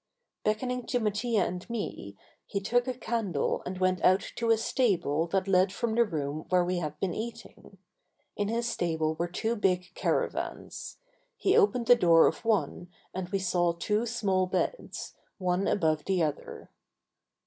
Beckoning to Mattia and me he took a candle and went out to a stable that led from the room where we had been eating. In this stable were two big caravans. He opened the door of one and we saw two small beds, one above the other.